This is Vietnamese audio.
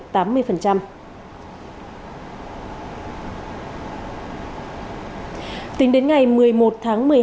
tính đến ngày một mươi một tháng một mươi hai